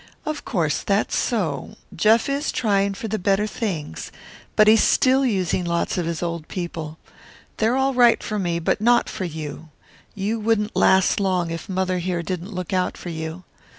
"Of course that's so; Jeff is trying for the better things; but he's still using lots of his old people. They're all right for me, but not for you. You wouldn't last long if mother here didn't look out for you.